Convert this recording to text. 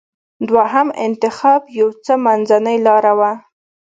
دوهم انتخاب یو څه منځۍ لاره وه.